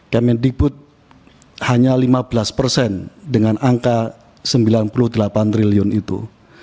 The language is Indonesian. kemendikbud hanya lima belas persen dengan angka sembilan puluh delapan triliun itu